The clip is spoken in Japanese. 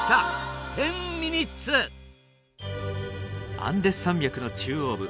アンデス山脈の中央部。